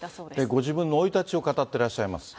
ご自分の生い立ちを語ってらっしゃいます。